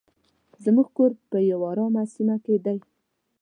زموږ کور په یو ارامه سیمه کې دی.